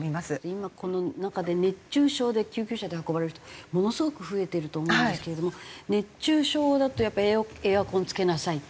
今この中で熱中症で救急車で運ばれる人ものすごく増えてると思うんですけれども熱中症だとやっぱりエアコンつけなさい。